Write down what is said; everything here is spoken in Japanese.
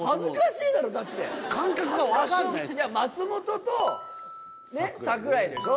松本と櫻井でしょ。